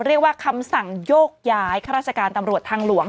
เรียกว่าคำสั่งโยกย้ายข้าราชการตำรวจทางหลวง